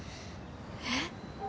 えっ？